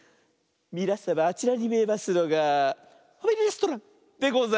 みなさまあちらにみえますのが「ファミレストラン」でございます。